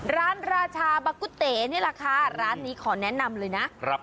ร้านราชาบักกุเตะนี่แหละค่ะร้านนี้ขอแนะนำเลยน่ะครับ